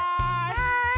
はい！